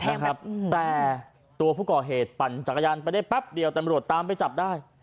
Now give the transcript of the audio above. แต่ตัวผู้ก่อเหตุปั่นจักรยานไปได้ปั๊บเดียวแต่มรวดตามไปจับได้